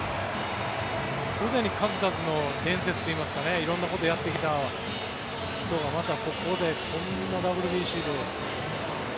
すでに数々の伝説といいますか色んなことをやってきた人がまたここでこんなＷＢＣで。